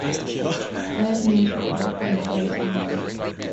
Third news report from the great army.